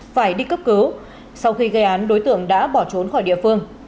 phải đi cấp cứu sau khi gây án đối tượng đã bỏ trốn khỏi địa phương